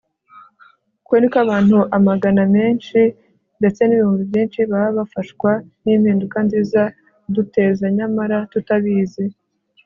uko ni ko abantu amagana menshi ndetse n'ibihumbi byinshi ba bafashwa n'impinduka nziza duteza nyamara tutabizi